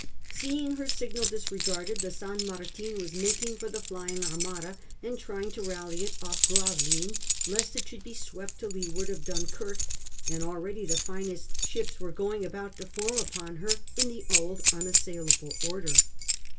Seeing her signal disregarded, the San Martin was making for the flying Armada, and trying to rally it off Gravelines lest it should be swept to leeward of Dunkirk, and already the finest ships were going about to form upon her in the old unassailable order.